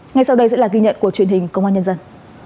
ngay sau đây sẽ là ghi nhận của truyền hình công an nhân dân